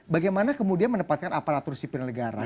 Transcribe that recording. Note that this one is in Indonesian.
bagaimana kemudian menempatkan aparatur sipil negara